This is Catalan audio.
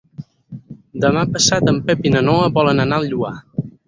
Demà passat en Pep i na Noa volen anar al Lloar.